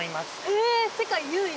え世界唯一？